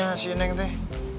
tanya sih neng deh